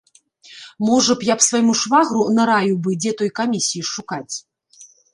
Можа б, я свайму швагру нараіў бы, дзе той камісіі шукаць?